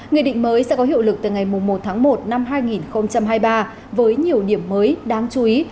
nghị định mới sẽ có hiệu lực từ ngày một tháng một năm hai nghìn hai mươi ba với nhiều điểm mới đáng chú ý